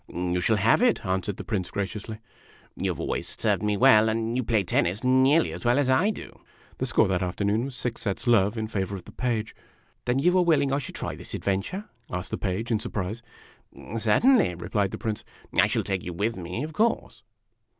" You shall have it," answered the Prince, graciously. " You have always served me well, and you play tennis nearly as well as I do." (The score that afternoon was six sets love in favor of the Page.) "Then you are willing I should try this adventure?" asked the Page, in surprise. " Certainly," replied the Prince. " I shall take you with me, of course."